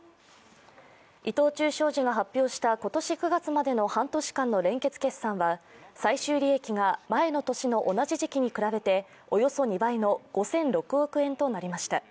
伊藤忠商事が発表した、今年９月までの半年間の連結決算は最終利益が前の年の同じ時期に比べておよそ２倍の５００６億円となりました。